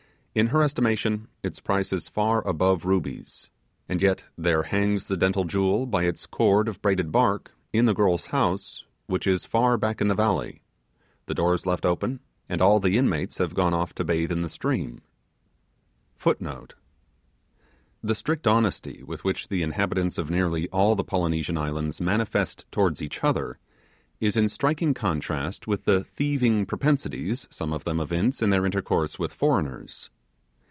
In her estimation its price is far above rubies and yet there hangs the dental jewel by its cord of braided bark, in the girl's house, which is far back in the valley; the door is left open, and all the inmates have gone off to bathe in the stream.* *The strict honesty which the inhabitants of nearly all the Polynesian Islands manifest toward each other, is in striking contrast with the thieving propensities some of them evince in their intercourse with foreigners.